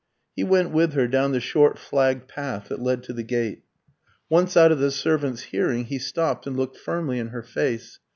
He went with her down the short flagged path that led to the gate. Once out of the servant's hearing, he stopped, and looked firmly in her face.